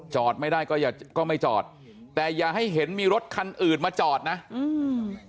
จอดไม่ได้ก็อย่าก็ไม่จอดแต่อย่าให้เห็นมีรถคันอื่นมาจอดนะอืม